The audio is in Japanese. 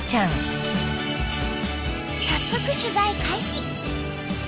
早速取材開始！